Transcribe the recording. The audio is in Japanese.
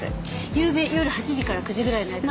ゆうべ夜８時から９時ぐらいの間。